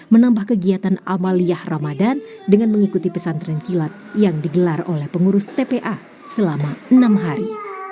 menambah kegiatan amaliyah ramadan dengan mengikuti pesantren kilat yang digelar oleh pengurus tpa selama enam hari